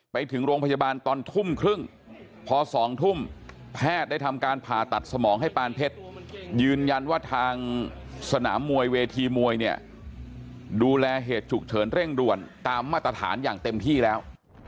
ไปถึงโรงพยาบาลตอนทุ่มครึ่งพอ๒ทุ่มแพทย์ได้ทำการผ่าตัดสมองให้ปานเพชรยืนยันว่าทางสนามมวยเวทีมวยเนี่ยดูแลเหตุฉุกเฉินเร่งด่วนตามมาตรฐานอย่างเต็มที่แล้ว